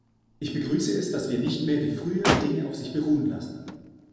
Ich begrüße es, dass wir nicht mehr wie früher Dinge auf sich beruhen lassen.